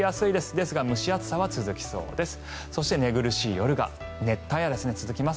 ですが蒸し暑さは続きそうです。